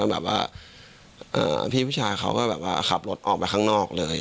แบบว่าพี่ผู้ชายเขาก็แบบว่าขับรถออกไปข้างนอกเลย